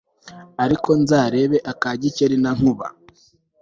ariko nzarebe aka Gikeli na Nkuba